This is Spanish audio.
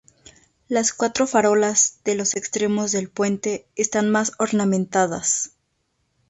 Las cuatro farolas de los extremos del puente están más ornamentadas.